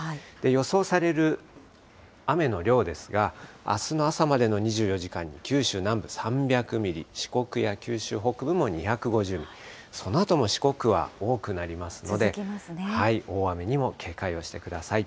予想される雨の量ですが、あすの朝までの２４時間に、九州南部３００ミリ、四国や九州北部も２５０ミリ、そのあとも四国は多くなりますので、大雨にも警戒をしてください。